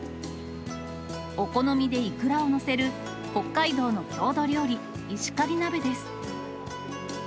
お好みでイクラを載せる、北海道の郷土料理、石狩鍋です。